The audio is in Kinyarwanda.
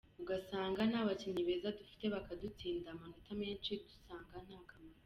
Ugasanga nta bakinnyi beza dufite bakadutsinda amanota menshi dusanga nta kamaro.